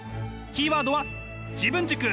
キーワードは自分軸！